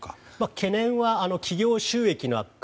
懸念は、企業収益の悪化。